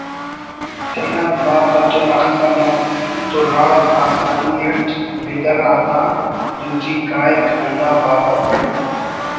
تینا ذات اتون اختہ مس تو راج آسانی اٹ بِدر آتا دوٹی کاہک ہندا بابت